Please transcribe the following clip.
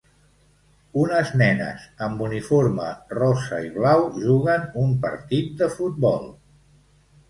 Unes nenes amb uniforme rosa i blau juguen un partit de futbol.